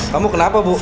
kamu kenapa bu